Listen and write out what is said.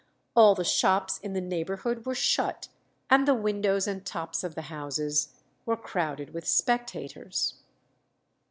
All the shops in the neighbourhood were shut, and the windows and tops of the houses were crowded with spectators."